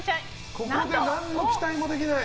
ここで何の期待もできない。